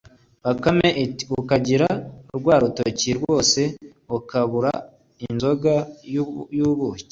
Bakame iti “Ukagira rwa rutoki rwose, ukabura inzoga y’ubuki?